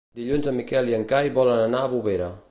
Dilluns en Miquel i en Cai volen anar a Bovera.